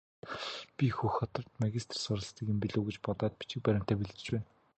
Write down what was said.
Би Хөх хотод магистрт суралцдаг юм билүү гэж бодоод бичиг баримтаа бэлдэж байна.